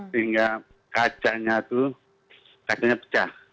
sehingga kacanya itu pecah